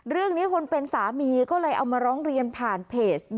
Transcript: เรื่องนี้คนเป็นสามีก็เลยเอามาร้องเรียนผ่านเพจ